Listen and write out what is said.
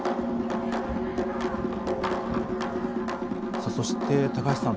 さあそして高橋さん